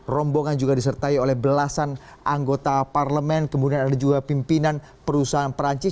rombongan juga disertai oleh belasan anggota parlemen kemudian ada juga pimpinan perusahaan perancis